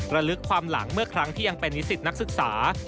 ระลึกความหลังเมื่อครั้งที่ยังเป็นนิสิตนักศึกษา